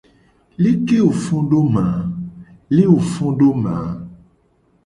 Leke wo fo do ma ?